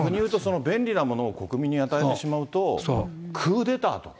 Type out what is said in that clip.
便利なものを国民に与えてしまうと、クーデターとか。